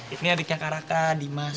ini adiknya karaka dimas